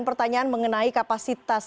pertanyaan mengenai kapasitas